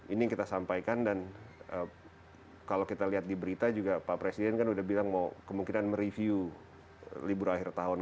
ini yang kita sampaikan dan kalau kita lihat di berita juga pak presiden kan udah bilang mau kemungkinan mereview libur akhir tahun